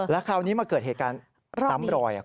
คราวนี้มาเกิดเหตุการณ์ซ้ำรอย